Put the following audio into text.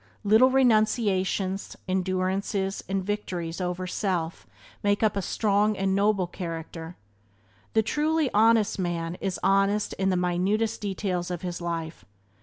Little renunciations, endurances and victories over self make up a strong and noble character. The truly honest man is honest in the minutest details of his life.